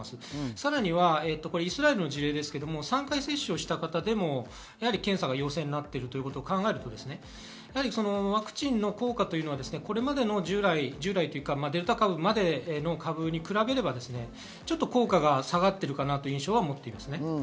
さらにイスラエルの事例ですが、３回接種をした方でも検査が陽性になっていることを考えると、ワクチンの効果はこれまでの従来、デルタ株までの株に比べれば、効果が下がっているかなという印象です。